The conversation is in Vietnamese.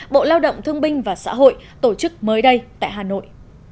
bộ lao động thương binh và xã hội tổ chức mới đây tại hà nội